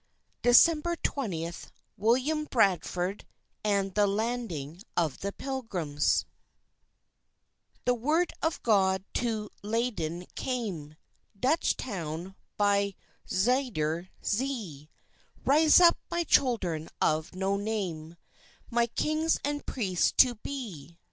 DECEMBER 20 WILLIAM BRADFORD AND THE LANDING OF THE PILGRIMS _The word of God to Leyden came, Dutch town, by Zuyder Zee: "Rise up, my Children of no name, My kings and priests to be.